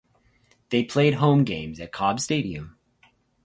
They played home games at Cobb Stadium.